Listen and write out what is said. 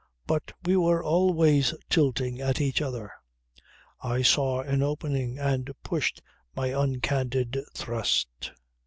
But we were always tilting at each other. I saw an opening and pushed my uncandid thrust.